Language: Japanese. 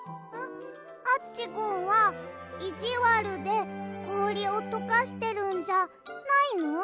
アッチゴンはいじわるでこおりをとかしてるんじゃないの？